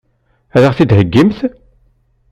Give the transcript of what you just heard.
Ad ɣ-t-id-heggimt?